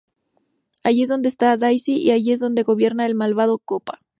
Allí es donde está Daisy y allí es donde gobierna el malvado Koopa.